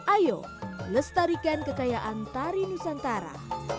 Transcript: ayo lestarikan kekayaan tari nusantara